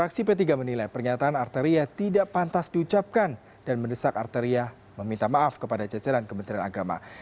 fraksi p tiga menilai pernyataan arteria tidak pantas diucapkan dan mendesak arteria meminta maaf kepada jajaran kementerian agama